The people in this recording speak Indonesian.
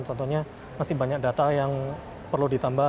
contohnya masih banyak data yang perlu ditambah